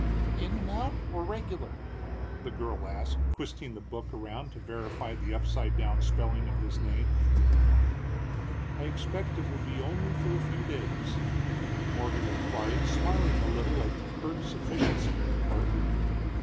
"In and out, or regular?" the girl asked, twisting the book around to verify the upside down spelling of his name. "I expect it will be only for a few days," Morgan replied, smiling a little at the pert sufficiency of the clerk.